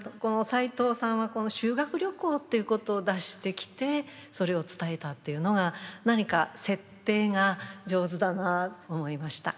斉藤さんは修学旅行っていうことを出してきてそれを伝えたっていうのが何か設定が上手だなと思いました。